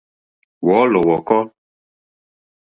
Wɔ̀ɔ́lɔ̀ wɔ̀kɔ́.